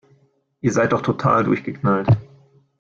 Ihr seid doch total durchgeknallt!